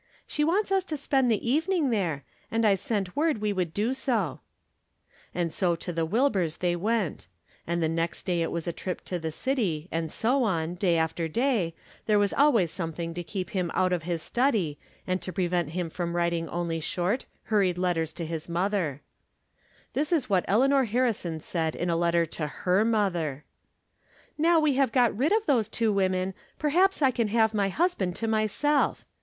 She wants us to spend the evening there, and I sent word we would do so." And so to the Wilburs they went. And the next day it was a trip to the city, and so on, day after day, there was always something to keep him out of his study, and prevent him from writ ing only short, hurried letters to his mother : 214 From Different Standpoints. This is what Eleanor Harrison said in a letter to her mother ;" Now we have got rid of those two women per haps I can have my husband to myself.